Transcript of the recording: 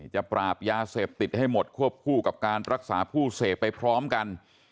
ปราบยาเสพติดให้หมดควบคู่กับการรักษาผู้เสพไปพร้อมกัน